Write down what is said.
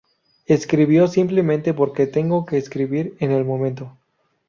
Escribo simplemente porque tengo que escribir en el momento.